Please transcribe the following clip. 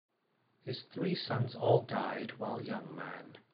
His three sons all died while young men.